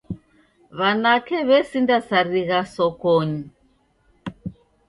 W'anake w'esindasarigha sokonyi.